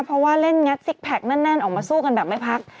เพราะว่าเล่นงัดซิกแพคแน่นออกมาสู้กันแบบไม่พัก